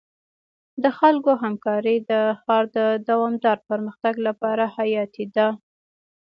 د خلکو همکاري د ښار د دوامدار پرمختګ لپاره حیاتي ده.